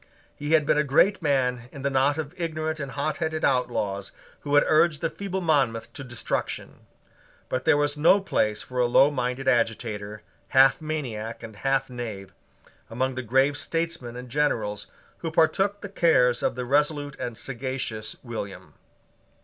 He had been a great man in the knot of ignorant and hotheaded outlaws who had urged the feeble Monmouth to destruction: but there was no place for a lowminded agitator, half maniac and half knave, among the grave statesmen and generals who partook the cares of the resolute and sagacious William.